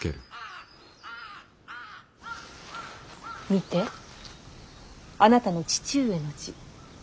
見てあなたの父上の字。